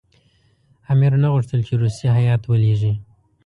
امیر نه غوښتل چې روسیه هېئت ولېږي.